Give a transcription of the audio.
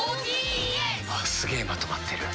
すげえまとまってる。